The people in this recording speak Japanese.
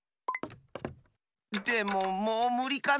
でももうむりかなあ？